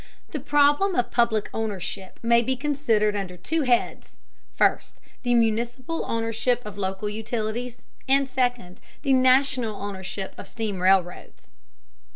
The problem of public ownership may be considered under two heads: first, the municipal ownership of local utilities; and, second, the national ownership of steam railroads.